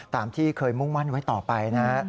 ตามที่เคยมุ่งมั่นไว้ต่อไปนะ